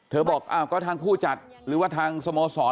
บอกอ้าวก็ทางผู้จัดหรือว่าทางสโมสร